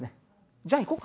「じゃあ行こうか。